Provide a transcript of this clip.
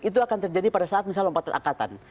itu akan terjadi pada saat misal lompat terangkatan